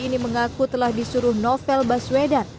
ini mengaku telah disuruh novel baswedan